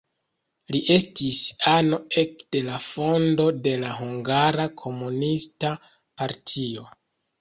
Li estis ano ekde la fondo de la Hungara Komunista partio.